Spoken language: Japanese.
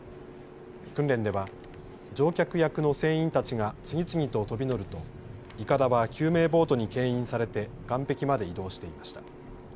訓練では、乗客役の船員たちが次々と飛び乗るといかだは救命ボートにけん引されて岸壁まで移動していました。